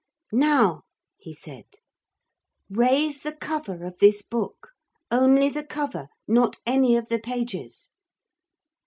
'Now,' he said, 'raise the cover of this book; only the cover, not any of the pages.'